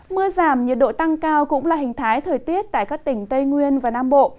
mưa giảm nhiệt độ tăng cao cũng là hình thái thời tiết tại các tỉnh tây nguyên và nam bộ